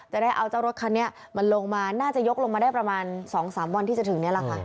จะได้เอาเจ้ารถคันนี้มันลงมาน่าจะยกลงมาได้ประมาณ๒๓วันที่จะถึงนี้แหละค่ะ